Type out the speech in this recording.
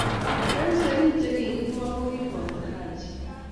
eng serii che kikimwa ko kiboto Haji